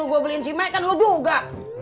yang nyuruh gue beliin si may kan lo juga